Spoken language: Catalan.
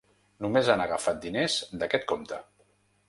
Només han agafat diners d’aquest compte.